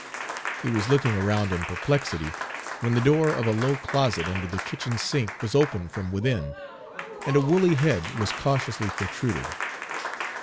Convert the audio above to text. He was looking around in perplexity, when the door of a low closet under the kitchen sink was opened from within, and a woolly head was cautiously protruded.